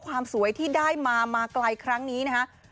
ความสวยที่ได้มามาไกลครั้งนี้นะครับ